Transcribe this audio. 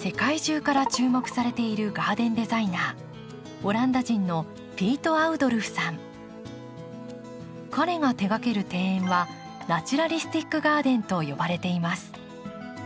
世界中から注目されているガーデンデザイナーオランダ人の彼が手がける庭園はナチュラリスティック・ガーデンと呼ばれています。